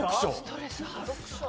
ストレス発散。